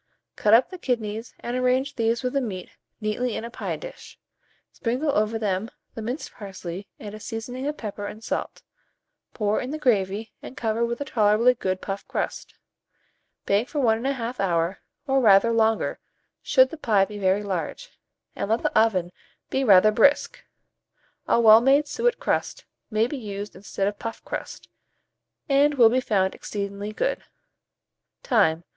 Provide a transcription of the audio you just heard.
Cut up the kidneys, and arrange these with the meat neatly in a pie dish; sprinkle over them the minced parsley and a seasoning of pepper and salt; pour in the gravy, and cover with a tolerably good puff crust. Bake for 1 1/2 hour, or rather longer, should the pie be very large, and let the oven be rather brisk. A well made suet crust may be used instead of puff crust, and will be found exceedingly good. Time.